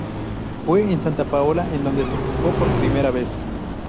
Fue en Santa Pola en donde se jugó por primera vez.